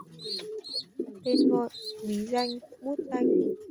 Tên gọi, bí danh, bút danh